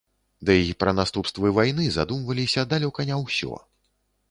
Дый пра наступствы вайны задумваліся далёка не ўсё.